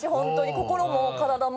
心も体も。